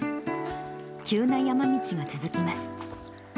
急な山道が続きます。